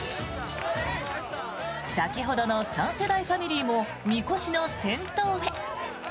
先ほどの３世代ファミリーもみこしの先頭へ。